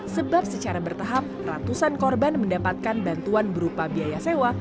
sebab secara bertahap ratusan korban mendapatkan bantuan berupa biaya sewa